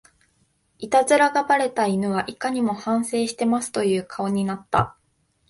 イタズラがバレた犬はいかにも反省してますという顔になった